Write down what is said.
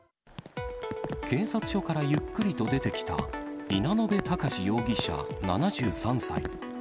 警察署からゆっくりと出てきた、稲野辺隆容疑者７３歳。